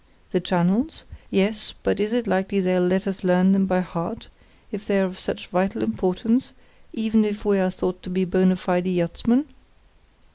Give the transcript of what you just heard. The channels? Yes, but is it likely they'll let us learn them by heart, if they're of such vital importance, even if we are thought to be bona fide yachtsmen?